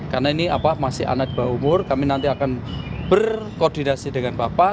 karena ini masih anak di bawah umur kami nanti akan berkoordinasi dengan bapak